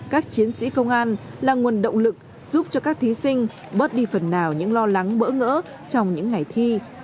các chiến sĩ công an là nguồn động lực giúp cho các thí sinh bớt đi phần nào những lo lắng bỡ ngỡ trong những ngày thi